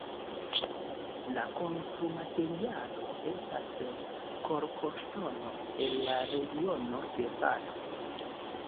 La konstrumaterialo estas kalkoŝtono el la regiono de Bath.